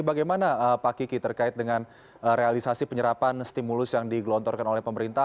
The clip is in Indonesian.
bagaimana pak kiki terkait dengan realisasi penyerapan stimulus yang digelontorkan oleh pemerintah